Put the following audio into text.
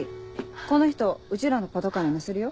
この人うちらのパトカーに乗せるよ。